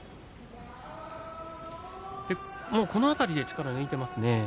この辺りで力を抜いていますね。